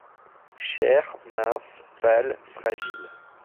Chair, mince, pâle, fragile.